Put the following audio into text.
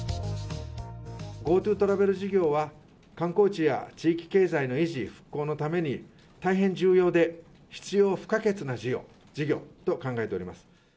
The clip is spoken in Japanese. ＧｏＴｏトラベル事業は、観光地や地域経済の維持・復興のために、大変重要で必要不可欠な事業と考えております。